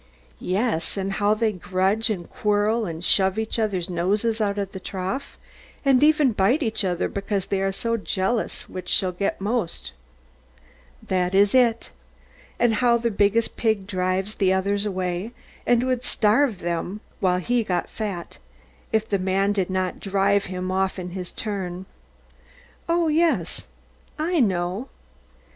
Yes, and how they grudge and quarrel, and shove each other's noses out of the trough, and even bite each other because they are so jealous which shall get most. That is it. And how the biggest pig drives the others away, and would starve them while he got fat, if the man did not drive him off in his turn. Oh, yes; I know.